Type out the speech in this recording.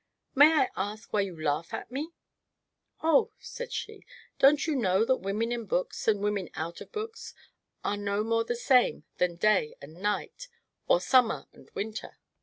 "May I ask why you laugh at me?" "Oh!" said she, "don't you know that women in books and women out of books are no more the same than day and night, or summer and winter?"